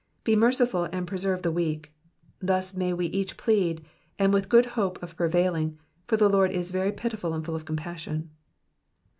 Be merciful, and preserve the weak. Thus may we each plead, and with good hope of prevailing, for the Lord is very pitiful and full of compassion.